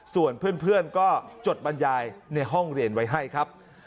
ส่วนเพื่อนก็จดบรรยายในห้องเรียนไว้ให้ครับ